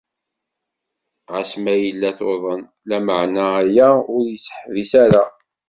Ɣas ma yella tuḍen, lameεna aya ur tt-yeḥbis ara.